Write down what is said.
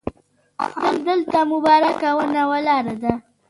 همدلته مبارکه ونه ولاړه ده.